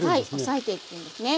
押さえていくんですね。